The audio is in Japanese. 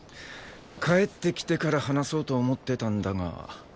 帰ってきてから話そうと思ってたんだが。